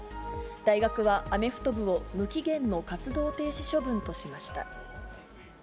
大学はアメフト部を無期限の活動停止処分としました。